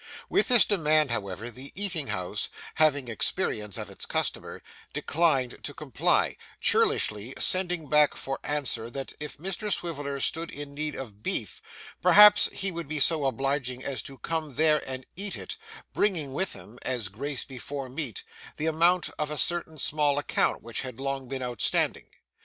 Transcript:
With this demand, however, the eating house (having experience of its customer) declined to comply, churlishly sending back for answer that if Mr Swiveller stood in need of beef perhaps he would be so obliging as to come there and eat it, bringing with him, as grace before meat, the amount of a certain small account which had long been outstanding.